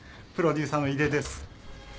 プロデューサーの井出です。